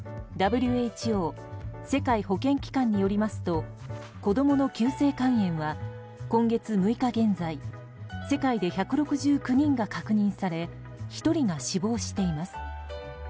ＷＨＯ・世界保健機関によりますと子供の急性肝炎は今月６日現在世界で１６９人が確認され１人が死亡しています。